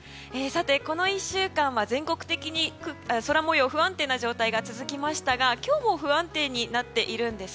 この１週間は全国的に空模様不安定な状況が続きましたが今日も不安定になっているんです。